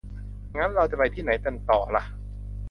งั้น เราจะไปที่ไหนกันต่อล่ะ ?